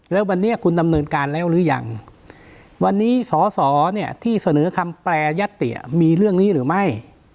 แล้ววันนี้คุณดำเนินการแล้วหรือยังวันนี้สอสอเนี่ยที่เสนอคำแปรยติมีเรื่องนี้หรือไม่